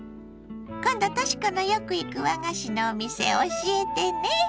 今度とし子のよく行く和菓子のお店教えてね！